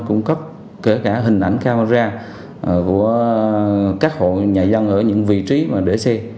cung cấp kể cả hình ảnh camera của các hộ nhà dân ở những vị trí mà để xe